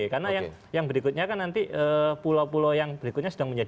karena yang berikutnya kan nanti pulau pulau yang berikutnya sudah muncul